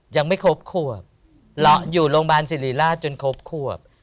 ยังไม่ครบขวบอยู่โรงพยาบาลสิริราชจนครบขวบ